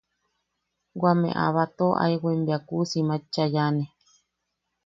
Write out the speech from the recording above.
Wame a batoo aewaim bea kuusim aet chayaane.